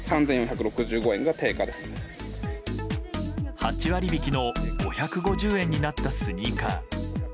８割引きの５５０円になったスニーカー。